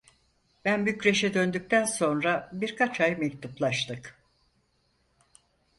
Ben Bükreş'e döndükten sonra birkaç ay mektuplaştık.